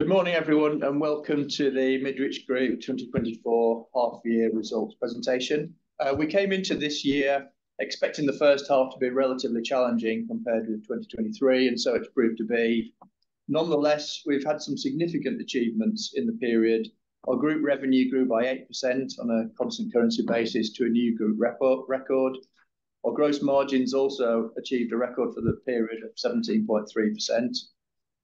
Good morning, everyone, and Welcome to the Midwich Group 2024 Half Year Results presentation. We came into this year expecting the H1 to be relatively challenging compared with 2023, and so it's proved to be. Nonetheless, we've had some significant achievements in the period. Our group revenue grew by 8% on a constant currency basis to a new group record. Our gross margins also achieved a record for the period of 17.3%.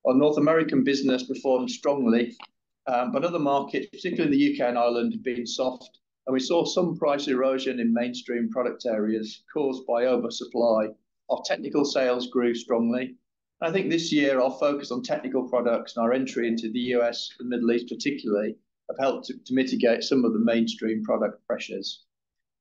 Our North American business performed strongly, but other markets, particularly the UK and Ireland, have been soft, and we saw some price erosion in mainstream product areas caused by oversupply. Our technical sales grew strongly. I think this year our focus on technical products and our entry into the US and the Middle East, particularly, have helped to mitigate some of the mainstream product pressures.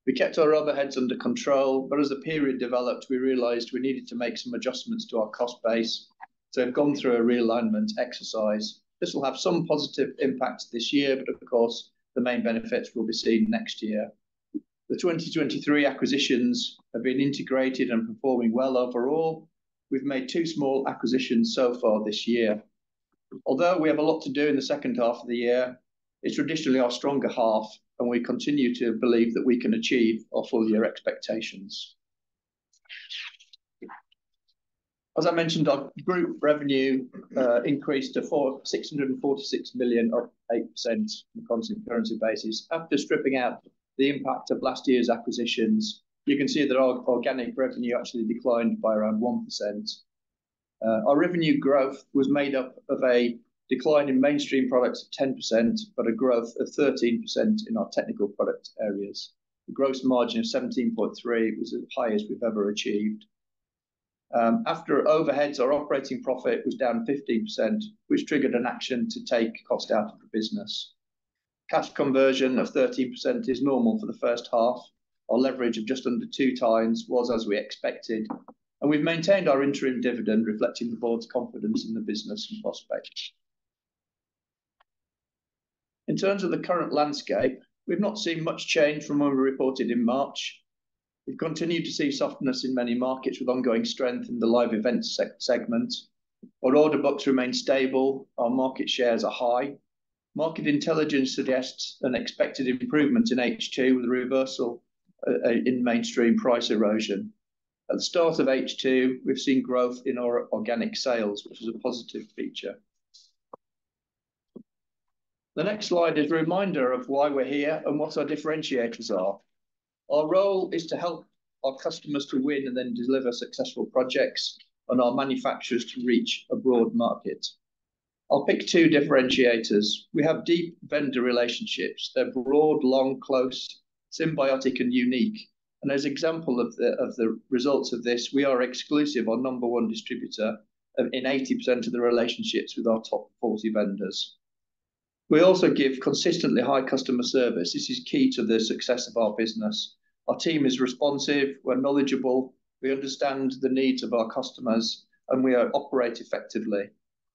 We kept our other heads under control, but as the period developed, we realized we needed to make some adjustments to our cost base, so we've gone through a realignment exercise. This will have some positive impacts this year, but of course, the main benefits will be seen next year. The 2023 acquisitions have been integrated and performing well overall. We've made two small acquisitions so far this year. Although we have a lot to do in the H2 of the year, it's traditionally our stronger half, and we continue to believe that we can achieve our full year expectations. As I mentioned, our group revenue increased to 466 million, or 8% on a constant currency basis. After stripping out the impact of last year's acquisitions, you can see that our organic revenue actually declined by around 1%. Our revenue growth was made up of a decline in mainstream products of 10%, but a growth of 13% in our technical product areas. The gross margin of 17.3% was the highest we've ever achieved. After overheads, our operating profit was down 15%, which triggered an action to take cost out of the business. Cash conversion of 13% is normal for the H1. Our leverage of just under two times was as we expected, and we've maintained our interim dividend, reflecting the board's confidence in the business and prospects. In terms of the current landscape, we've not seen much change from when we reported in March. We've continued to see softness in many markets, with ongoing strength in the live events segment. Our order books remain stable. Our market shares are high. Market intelligence suggests an expected improvement in H2, with a reversal in mainstream price erosion. At the start of H2, we've seen growth in our organic sales, which is a positive feature. The next slide is a reminder of why we're here and what our differentiators are. Our role is to help our customers to win and then deliver successful projects and our manufacturers to reach a broad market. I'll pick two differentiators. We have deep vendor relationships. They're broad, long, close, symbiotic, and unique, and as example of the results of this, we are exclusive or number one distributor in 80% of the relationships with our top 40 vendors. We also give consistently high customer service. This is key to the success of our business. Our team is responsive, we're knowledgeable, we understand the needs of our customers, and we operate effectively.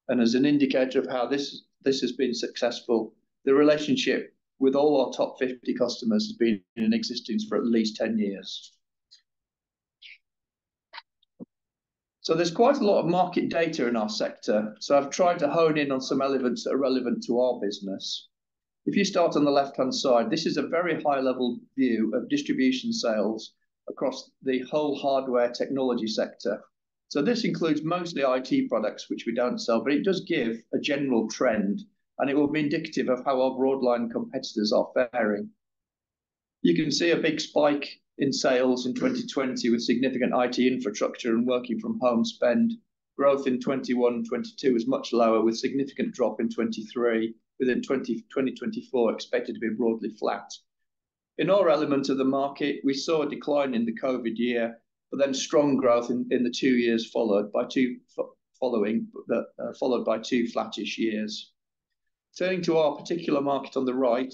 As an indicator of how this, this has been successful, the relationship with all our top 50 customers has been in existence for at least 10 years. There's quite a lot of market data in our sector, so I've tried to hone in on some elements that are relevant to our business. If you start on the left-hand side, this is a very high-level view of distribution sales across the whole hardware technology sector. This includes mostly IT products, which we don't sell, but it does give a general trend, and it will be indicative of how our broadline competitors are faring. You can see a big spike in sales in 2020, with significant IT infrastructure and working from home spend. Growth in 2021 and 2022 is much lower, with significant drop in 2023, with 2024 expected to be broadly flat. In our element of the market, we saw a decline in the COVID year, but then strong growth in the two years followed by two flattish years. Turning to our particular market on the right,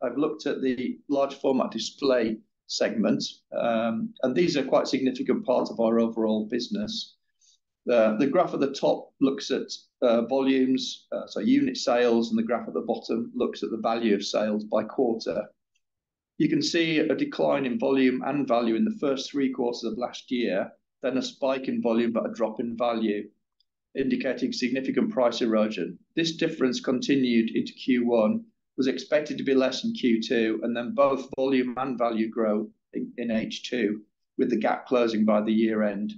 I've looked at the large format display segment, and these are quite significant parts of our overall business. The graph at the top looks at volumes, so unit sales, and the graph at the bottom looks at the value of sales by quarter. You can see a decline in volume and value in the first three quarters of last year, then a spike in volume, but a drop in value, indicating significant price erosion. This difference continued into Q1, was expected to be less in Q2, and then both volume and value grow in H2, with the gap closing by the year end.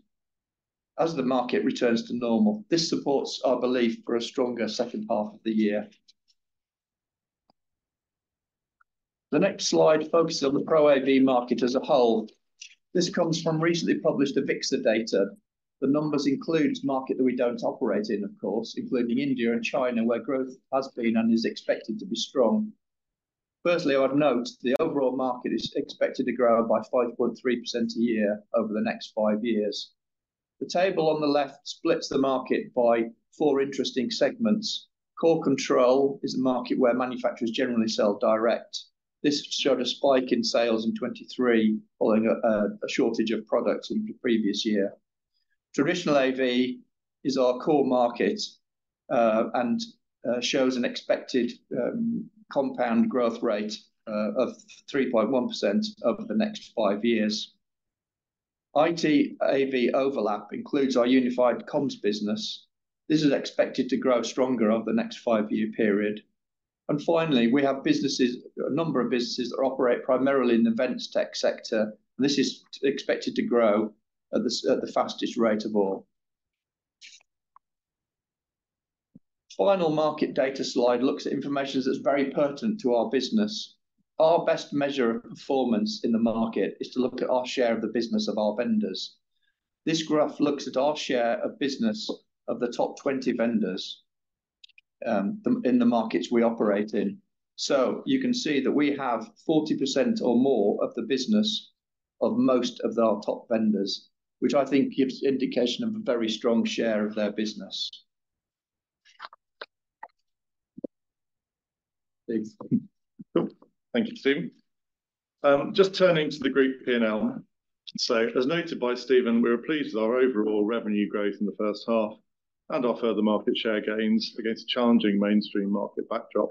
As the market returns to normal, this supports our belief for a stronger H2 of the year. The next slide focuses on the Pro AV market as a whole. This comes from recently published AVIXA data. The numbers includes markets that we don't operate in, of course, including India and China, where growth has been and is expected to be strong. Firstly, I would note the overall market is expected to grow by 5.3% a year over the next five years. The table on the left splits the market by four interesting segments. Core Control is a market where manufacturers generally sell direct. This showed a spike in sales in 2023, following a shortage of products in the previous year. Traditional AV is our core market, and shows an expected compound growth rate of 3.1% over the next five years. IT/AV overlap includes our unified comms business. This is expected to grow stronger over the next five-year period. And finally, we have businesses, a number of businesses that operate primarily in the events tech sector. This is expected to grow at the fastest rate of all. Final market data slide looks at information that's very pertinent to our business. Our best measure of performance in the market is to look at our share of the business of our vendors. This graph looks at our share of business of the top 20 vendors in the markets we operate in. So you can see that we have 40% or more of the business of most of our top vendors, which I think gives indication of a very strong share of their business. Dave? Cool. Thank you, Stephen. Just turning to the group P&L. So, as noted by Stephen, we were pleased with our overall revenue growth in the H1 and our further market share gains against a challenging mainstream market backdrop.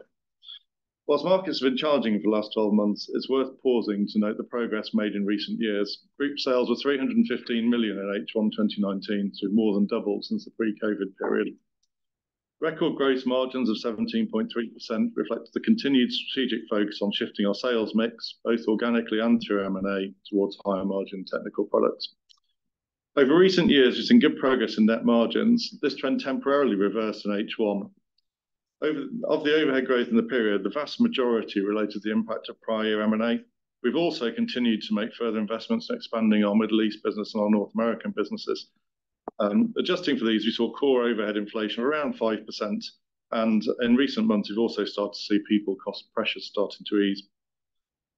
While markets have been challenging for the last 12 months, it's worth pausing to note the progress made in recent years. Group sales were 315 million in H1 2019, so more than double since the pre-COVID period. Record gross margins of 17.3% reflect the continued strategic focus on shifting our sales mix, both organically and through M&A, towards higher margin technical products. Over recent years, we've seen good progress in net margins. This trend temporarily reversed in H1. Of the overhead growth in the period, the vast majority relate to the impact of prior M&A. We've also continued to make further investments in expanding our Middle East business and our North American businesses. Adjusting for these, we saw core overhead inflation around 5%, and in recent months, we've also started to see people cost pressures starting to ease.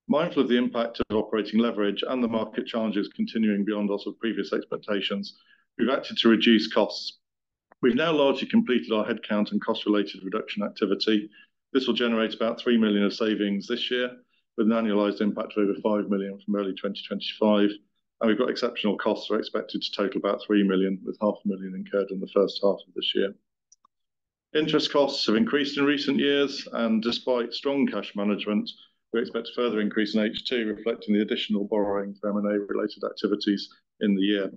Mindful of the impact of operating leverage and the market challenges continuing beyond our sort of previous expectations, we've acted to reduce costs. We've now largely completed our headcount and cost-related reduction activity. This will generate about 3 million of savings this year, with an annualized impact of over 5 million from early 2025, and we've got exceptional costs are expected to total about 3 million, with 500,000 incurred in the H1 of this year. Interest costs have increased in recent years, and despite strong cash management, we expect a further increase in H2, reflecting the additional borrowing from M&A-related activities in the year.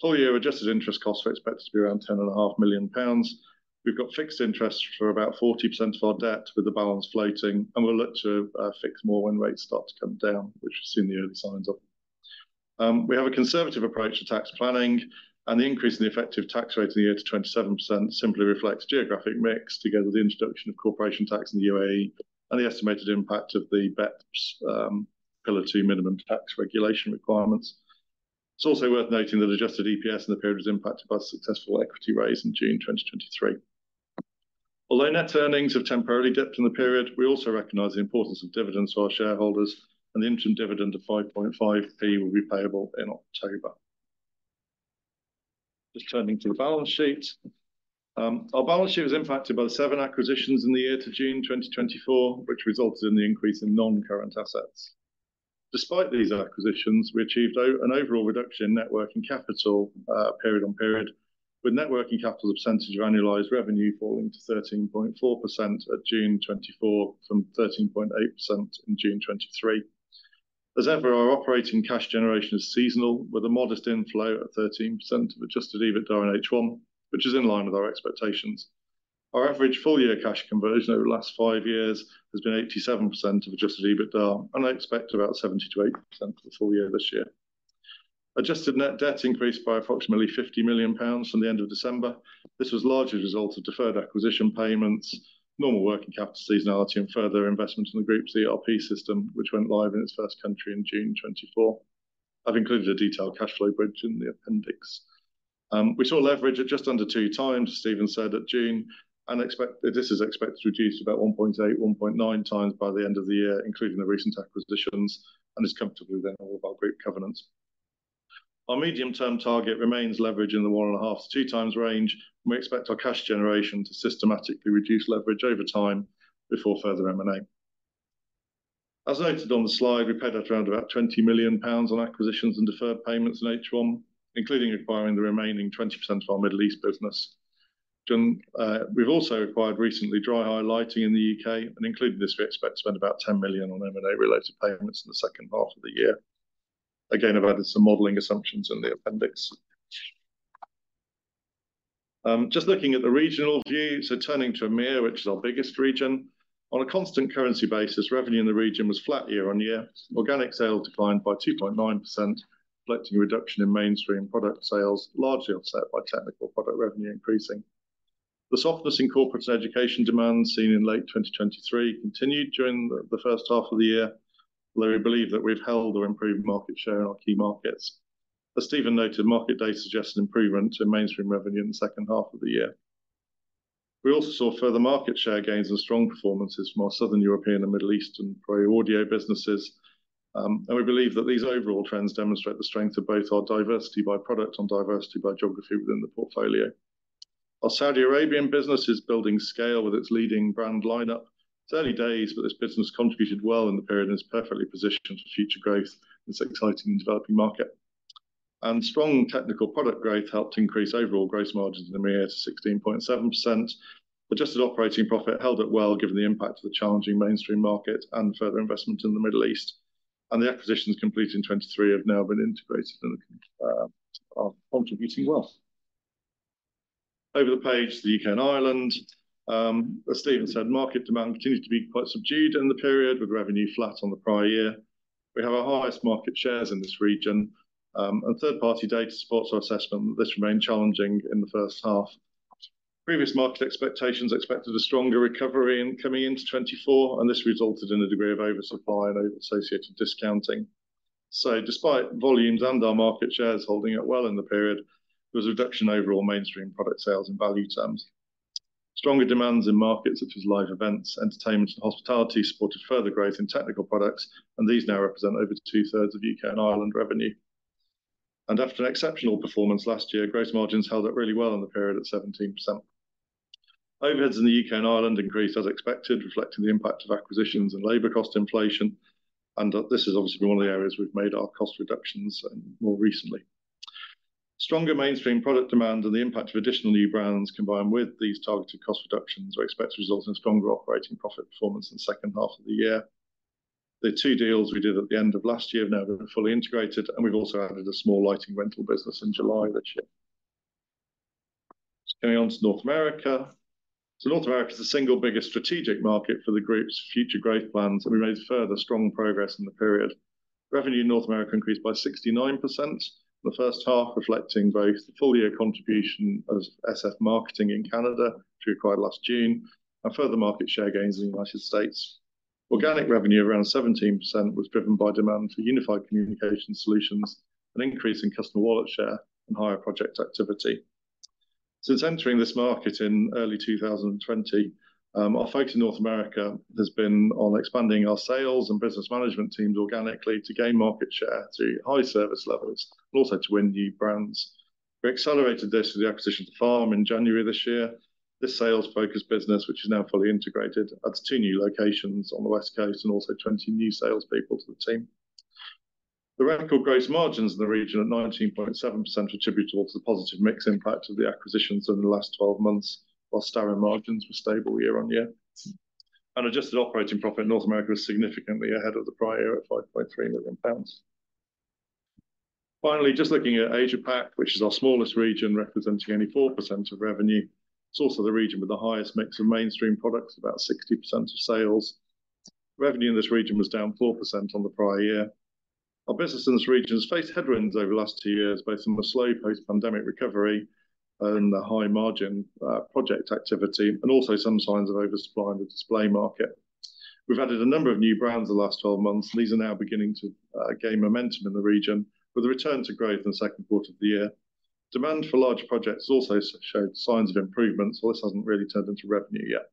Full year, adjusted interest costs are expected to be around 10.5 million pounds. We've got fixed interest for about 40% of our debt, with the balance floating, and we'll look to fix more when rates start to come down, which we're seeing the early signs of. We have a conservative approach to tax planning, and the increase in the effective tax rate in the year to 27% simply reflects geographic mix, together with the introduction of corporation tax in the UAE, and the estimated impact of the BEPS Pillar Two minimum tax regulation requirements. It's also worth noting that adjusted EPS in the period was impacted by a successful equity raise in June 2023. Although net earnings have temporarily dipped in the period, we also recognize the importance of dividends to our shareholders, and the interim dividend of 5.5p will be payable in October. Just turning to the balance sheet. Our balance sheet was impacted by the seven acquisitions in the year to June 2024, which resulted in the increase in non-current assets. Despite these acquisitions, we achieved an overall reduction in net working capital, period on period, with net working capital percentage of annualized revenue falling to 13.4% at June 2024, from 13.8% in June 2023. As ever, our operating cash generation is seasonal, with a modest inflow at 13% of adjusted EBITDA in H1, which is in line with our expectations. Our average full-year cash conversion over the last five years has been 87% of adjusted EBITDA, and I expect about 70%-80% for the full year this year. Adjusted net debt increased by approximately 50 million pounds from the end of December. This was largely a result of deferred acquisition payments, normal working capital seasonality, and further investment in the group's ERP system, which went live in its first country in June 2024. I've included a detailed cash flow bridge in the appendix. We saw leverage at just under two times, Stephen said, at June, and expected to reduce to about 1.8, 1.9 times by the end of the year, including the recent acquisitions, and is comfortable within all of our group covenants. Our medium-term target remains leverage in the 1.5 to 2 times range, and we expect our cash generation to systematically reduce leverage over time before further M&A. As noted on the slide, we paid out around about 20 million pounds on acquisitions and deferred payments in H1, including acquiring the remaining 20% of our Middle East business. Then, we've also acquired recently Dry Hire Lighting in the U.K., and including this, we expect to spend about 10 million on M&A-related payments in the H2 of the year. Again, I've added some modeling assumptions in the appendix. Just looking at the regional view, so turning to EMEA, which is our biggest region. On a constant currency basis, revenue in the region was flat year on year. Organic sales declined by 2.9%, reflecting a reduction in mainstream product sales, largely offset by technical product revenue increasing. The softness in corporate and education demand seen in late 2023 continued during the H1 of the year, although we believe that we've held or improved market share in our key markets. As Stephen noted, market data suggests an improvement in mainstream revenue in the H2 of the year. We also saw further market share gains and strong performances from our Southern European and Middle Eastern Pro Audio businesses, and we believe that these overall trends demonstrate the strength of both our diversity by product and diversity by geography within the portfolio. Our Saudi Arabian business is building scale with its leading brand lineup. It's early days, but this business contributed well in the period and is perfectly positioned for future growth in this exciting and developing market. And strong technical product growth helped increase overall gross margins in the EMEA to 16.7%. Adjusted operating profit held up well, given the impact of the challenging mainstream market and further investment in the Middle East, and the acquisitions completed in 2023 have now been integrated and are contributing well. Over the page to the UK and Ireland, as Stephen said, market demand continues to be quite subdued in the period, with revenue flat on the prior year. We have our highest market shares in this region, and third-party data supports our assessment that this remained challenging in the H1. Previous market expectations expected a stronger recovery in coming into 2024, and this resulted in a degree of oversupply and associated discounting. So despite volumes and our market shares holding up well in the period, there was a reduction in overall mainstream product sales in value terms. Stronger demands in markets such as live events, entertainment, and hospitality supported further growth in technical products, and these now represent over two-thirds of UK and Ireland revenue. After an exceptional performance last year, gross margins held up really well in the period at 17%. Overheads in the UK and Ireland increased as expected, reflecting the impact of acquisitions and labor cost inflation, and this has obviously been one of the areas we've made our cost reductions more recently. Stronger mainstream product demand and the impact of additional new brands, combined with these targeted cost reductions, we expect to result in stronger operating profit performance in the H2 of the year. The two deals we did at the end of last year have now been fully integrated, and we've also added a small lighting rental business in July this year. Coming on to North America. So North America is the single biggest strategic market for the group's future growth plans, and we made further strong progress in the period. Revenue in North America increased by 69% in the H1, reflecting both the full year contribution of SF Marketing in Canada, which we acquired last June, and further market share gains in the United States. Organic revenue, around 17%, was driven by demand for unified communication solutions, an increase in customer wallet share, and higher project activity. Since entering this market in early 2020, our focus in North America has been on expanding our sales and business management teams organically to gain market share, to high service levels, and also to win new brands. We accelerated this with the acquisition of Farm in January this year. This sales-focused business, which is now fully integrated, adds two new locations on the West Coast and also 20 new salespeople to the team. The record gross margins in the region at 19.7% attribute towards the positive mix impact of the acquisitions over the last 12 months, while standard margins were stable year on year. Adjusted operating profit in North America was significantly ahead of the prior year at 5.3 million pounds. Finally, just looking at Asia-Pac, which is our smallest region, representing only 4% of revenue. It's also the region with the highest mix of mainstream products, about 60% of sales. Revenue in this region was down 4% on the prior year. Our business in this region has faced headwinds over the last two years, both from a slow post-pandemic recovery and the high-margin project activity, and also some signs of oversupply in the display market. We've added a number of new brands in the last 12 months. These are now beginning to gain momentum in the region, with a return to growth in the Q2 of the year. Demand for large projects also showed signs of improvement, so this hasn't really turned into revenue yet.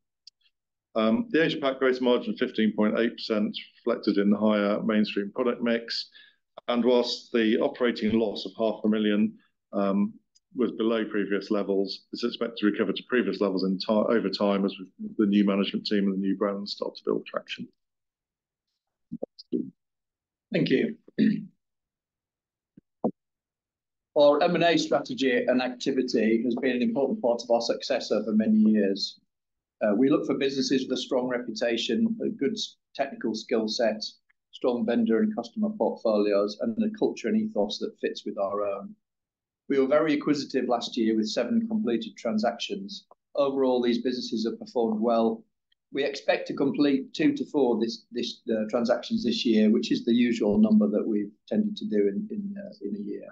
The Asia-Pac gross margin of 15.8% reflected in the higher mainstream product mix, and whilst the operating loss of 500,000 was below previous levels, it's expected to recover to previous levels over time as the new management team and the new brands start to build traction. Thank you. Our M&A strategy and activity has been an important part of our success over many years. We look for businesses with a strong reputation, a good technical skill set, strong vendor and customer portfolios, and a culture and ethos that fits with our own. We were very acquisitive last year with seven completed transactions. Overall, these businesses have performed well. We expect to complete two to four transactions this year, which is the usual number that we've tended to do in a year.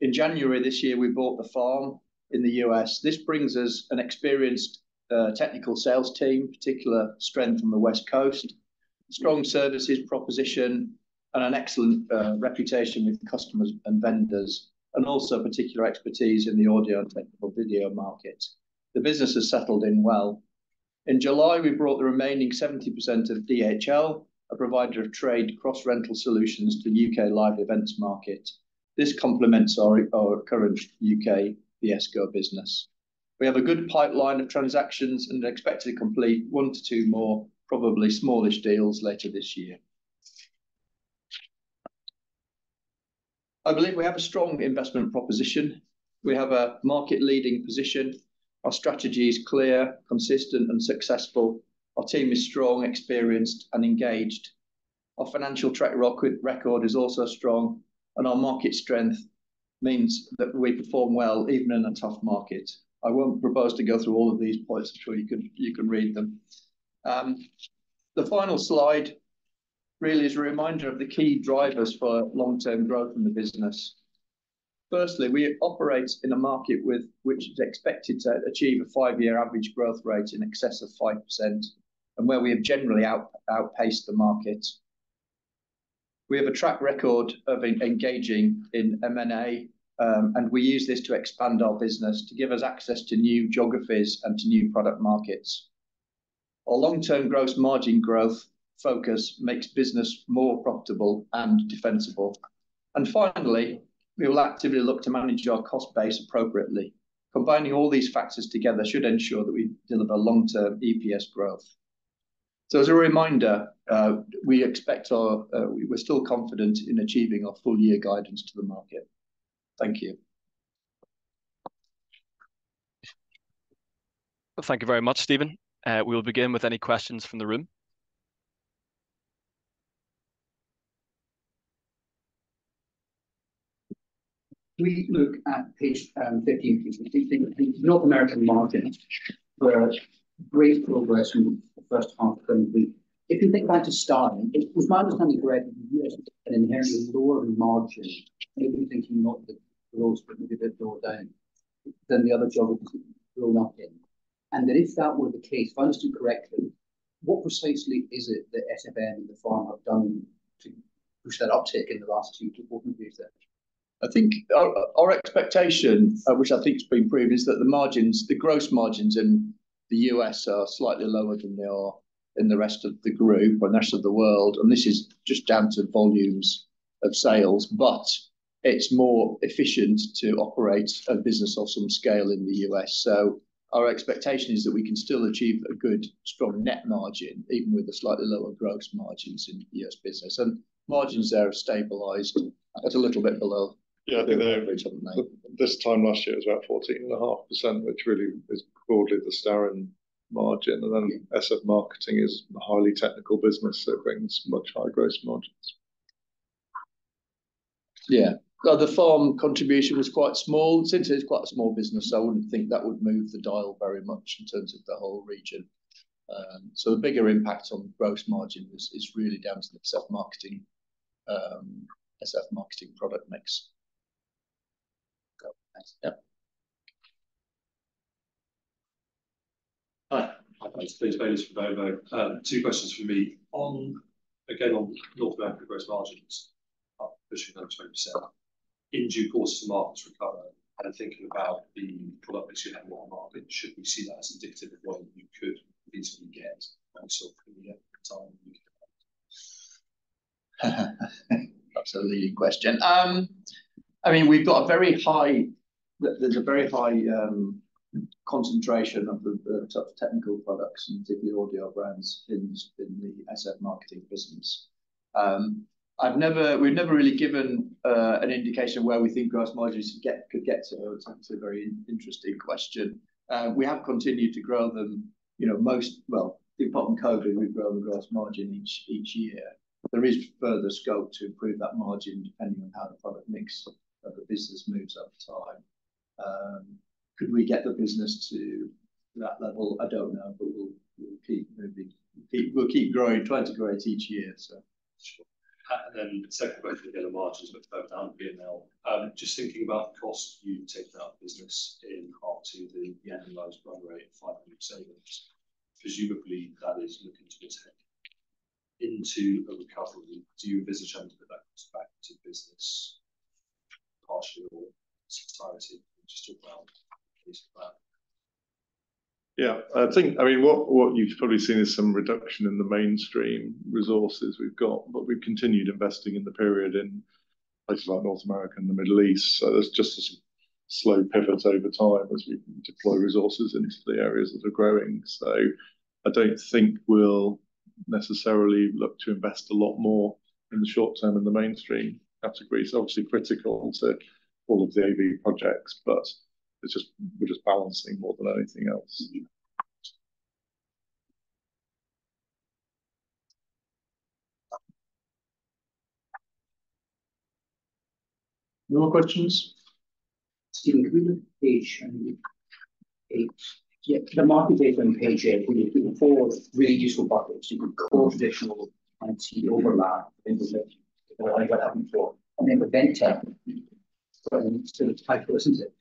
In January this year, we bought The Farm in the U.S. This brings us an experienced technical sales team, particular strength on the West Coast, strong services proposition, and an excellent reputation with the customers and vendors, and also particular expertise in the audio and technical video market. The business has settled in well. In July, we bought the remaining 70% of DHL, a provider of trade cross-rental solutions to the UK live events market. This complements our current UK PSCo business. We have a good pipeline of transactions and are expected to complete one to two more, probably smallish deals, later this year. I believe we have a strong investment proposition. We have a market-leading position. Our strategy is clear, consistent, and successful. Our team is strong, experienced, and engaged. Our financial track record is also strong, and our market strength means that we perform well even in a tough market. I won't propose to go through all of these points. I'm sure you can read them. The final slide really is a reminder of the key drivers for long-term growth in the business. Firstly, we operate in a market with which is expected to achieve a five-year average growth rate in excess of 5%, and where we have generally outpaced the market. We have a track record of engaging in M&A, and we use this to expand our business to give us access to new geographies and to new product markets. Our long-term gross margin growth focus makes business more profitable and defensible. And finally, we will actively look to manage our cost base appropriately. Combining all these factors together should ensure that we deliver long-term EPS growth. So as a reminder, we expect our... We're still confident in achieving our full year guidance to the market. Thank you. Thank you very much, Stephen. We will begin with any questions from the room. We look at page fifteen. Do you think the North American margin has made great progress from H1 of the current year? If you think back to Starin, it was my understanding that the US had an inherently lower margin, maybe not the lowest, but maybe a bit lower down than the other geographies. And that if that were the case, if I understood correctly, what precisely is it that SF Marketing and The Farm have done to push that uptick in the last two to four years there? I think our expectation, which has been proven, is that the margins, the gross margins in the U.S. are slightly lower than they are in the rest of the group, or actually the world, and this is just down to volumes of sales, but it's more efficient to operate a business of some scale in the U.S. So our expectation is that we can still achieve a good, strong net margin, even with the slightly lower gross margins in U.S. business. And margins there have stabilized. That's a little bit below- Yeah, this time last year, it was about 14.5%, which really is broadly the standard margin, and then SF Marketing is a highly technical business, so it brings much higher gross margins. Yeah. The Farm contribution was quite small. Since it's quite a small business, I wouldn't think that would move the dial very much in terms of the whole region. So the bigger impact on gross margin is really down to the SF Marketing product mix. Got it. Yep. Hi, my name is Ben Baylis from Berenberg. Two questions from me. On, again, on North American gross margins pushing those 20%. In due course, the markets recover, and I'm thinking about the product mix you have on the market. Should we see that as indicative of what you could easily get, and so from here, the time you could? That's a leading question. I mean, we've got a very high. There's a very high concentration of the technical products, and particularly all the brands in the SF Marketing business. We've never really given an indication of where we think gross margins could get to, so that's a very interesting question. We have continued to grow them, most, well, apart from COVID, we've grown the gross margin each year. There is further scope to improve that margin, depending on how the product mix of the business moves over time. Could we get the business to that level? I don't know, but we'll keep moving. We'll keep growing, trying to grow it each year, so. Sure. Then second question, again, on margins, but down P&L. Just thinking about the cost, you take that business in half to the annualized run rate, 500 savings. Presumably, that is looking to be taken into a recovery. Do you envisage having to put that back to business, partially or wholly, just a rough piece of that? Yeah, I mean, what, what you've probably seen is some reduction in the mainstream resources we've got, but we've continued investing in the period in places like North America and the Middle East. So there's just a slow pivot over time as we deploy resources into the areas that are growing. So I don't think we'll necessarily look to invest a lot more in the short term in the mainstream categories. It's obviously critical to all of the AV projects, but it's just, we're just balancing more than anything else. No more questions? Stephen, can we look at page eight? Yeah, the market data on page eight, we look at the four really useful buckets. You've got core traditional, IT overlap, and then event tech. So it's vital, isn't it?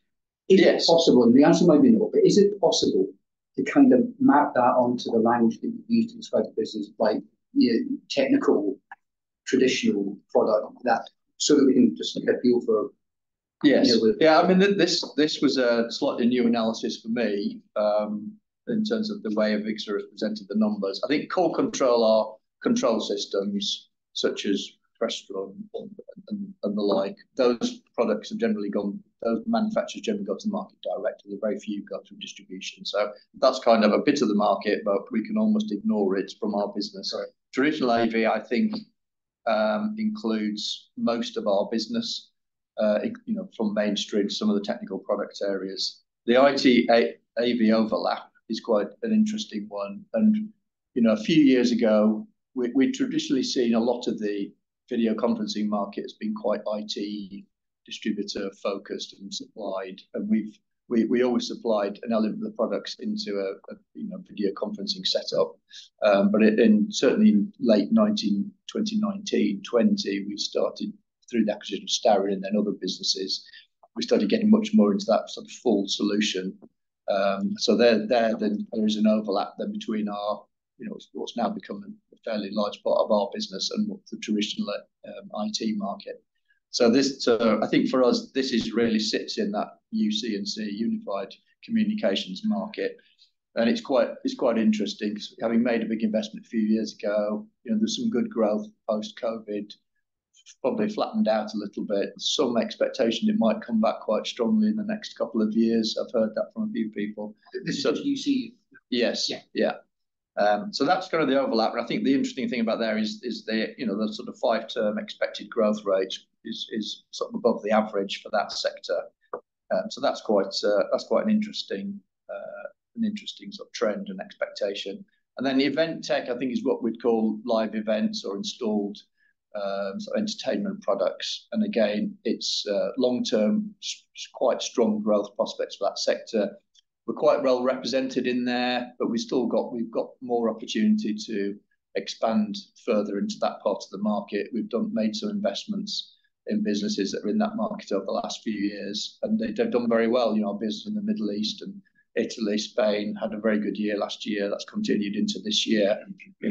It is. Is it possible, and the answer might be no, but is it possible to kind of map that onto the language that you use to describe the business by technical, traditional product like that, so that we can just get a feel for? Yes, I mean, this was a slightly new analysis for me, in terms of the way AVIXA has presented the numbers. I think Core Control are control systems such as Crestron and the like. Those products have generally gone. Those manufacturers generally go to market directly. Very few go through distribution. So that's kind of a bit of the market, but we can almost ignore it from our business. Right. Traditional AV, I think, includes most of our business, from mainstream, some of the technical product areas. The IT-AV overlap is quite an interesting one. A few years ago, we traditionally seen a lot of the video conferencing market as being quite IT distributor-focused and supplied, and we've always supplied an element of the products into a, video conferencing setup. But certainly in late 2019, 2020, we started through the acquisition of Starin and then other businesses, we started getting much more into that sort of full solution. So there is an overlap between our, what's now become a fairly large part of our business and what the traditional IT market. This, I think for us, this really sits in that UC&C, unified communications market, and it's quite interesting. Having made a big investment a few years ago, there's some good growth post-COVID. Probably flattened out a little bit. Some expectation it might come back quite strongly in the next couple of years. I've heard that from a few people. This is- UC? Yes. Yeah. Yeah. So that's kind of the overlap, and the interesting thing about there is the, the sort of five-term expected growth rate is sort of above the average for that sector. So that's quite an interesting sort of trend and expectation. And then the event tech is what we'd call live events or installed sort of entertainment products. And again, it's long-term quite strong growth prospects for that sector. We're quite well represented in there, but we've still got more opportunity to expand further into that part of the market. We've made some investments in businesses that are in that market over the last few years, and they've done very well. Our business in the Middle East and Italy, Spain, had a very good year last year. That's continued into this year.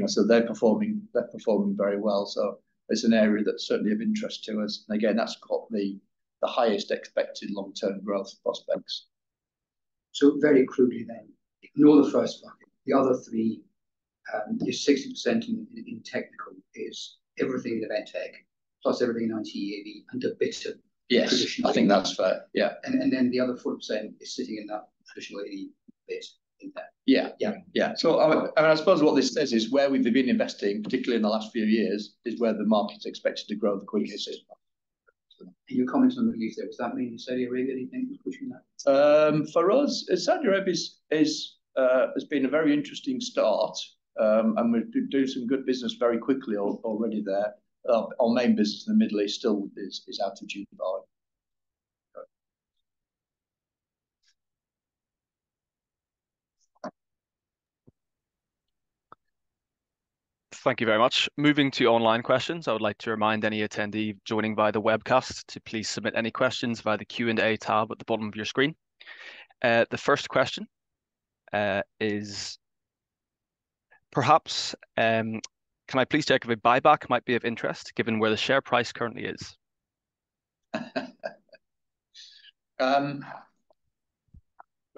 So they're performing, they're performing very well, so it's an area that's certainly of interest to us, and again, that's got the, the highest expected long-term growth prospects. So very crudely then, ignore the first one, the other three, your 60% in technical is everything in event tech, plus everything in IT/AV, and a bit of- Yes.I think that's fair, yeah. Then the other 40% is sitting in that traditional AV bit, in that? Yeah. Yeah. Yeah. So, I, and I suppose what this says is where we've been investing, particularly in the last few years, is where the market's expected to grow the quickest. So, can you comment on the Middle East? Does that mean Saudi Arabia? Anything that's pushing that? For us, Saudi Arabia has been a very interesting start, and we're doing some good business very quickly already there. Our main business in the Middle East still is in Dubai, but... Thank you very much. Moving to online questions, I would like to remind any attendee joining via the webcast to please submit any questions via the Q&A tab at the bottom of your screen. The first question is, "Perhaps, can I please check if a buyback might be of interest, given where the share price currently is? Well, I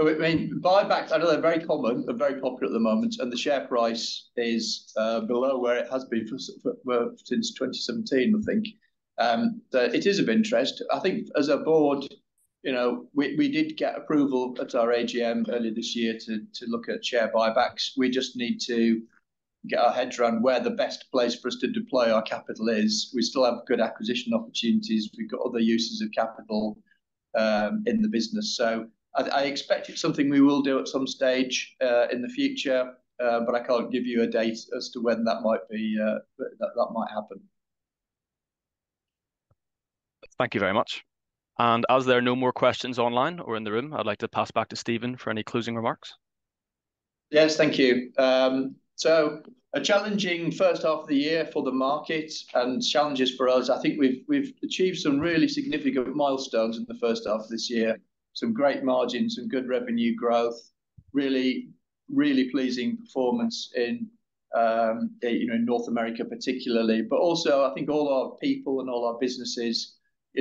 mean, buybacks, I know they're very common and very popular at the moment, and the share price is below where it has been for, well, since 2017. But it is of interest. I think as a board, we did get approval at our AGM earlier this year to look at share buybacks. We just need to get our heads around where the best place for us to deploy our capital is. We still have good acquisition opportunities. We've got other uses of capital in the business. So I expect it's something we will do at some stage in the future, but I can't give you a date as to when that might be, that might happen. Thank you very much. And as there are no more questions online or in the room, I'd like to pass back to Stephen for any closing remarks. Yes, thank you. So a challenging H1 of the year for the market and challenges for us. I think we've achieved some really significant milestones in the H1 of this year, some great margins and good revenue growth. Really, really pleasing performance in, North America particularly, but also, All our people and all our businesses,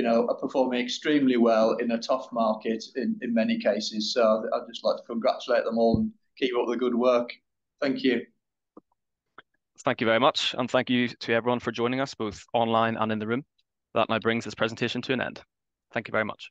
are performing extremely well in a tough market in many cases. So I'd just like to congratulate them all and keep up the good work. Thank you. Thank you very much, and thank you to everyone for joining us, both online and in the room. That now brings this presentation to an end. Thank you very much.